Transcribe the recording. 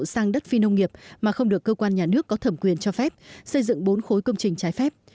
sang đất phi nông nghiệp mà không được cơ quan nhà nước có thẩm quyền cho phép xây dựng bốn khối công trình trái phép